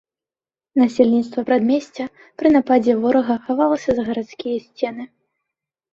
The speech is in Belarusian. Насельніцтва прадмесця пры нападзе ворага хавалася за гарадскія сцены.